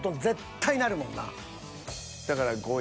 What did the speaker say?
だから。